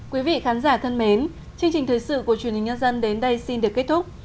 quý vị khán giả thân mến chương trình thời sự của truyền hình nhân dân đến đây xin được kết thúc